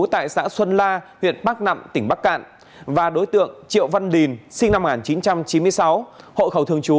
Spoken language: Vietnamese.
tại xã xuân la huyện bắc nẵm tỉnh bắc cạn và đối tượng triệu văn đình sinh năm một nghìn chín trăm chín mươi sáu hộ khẩu thường trú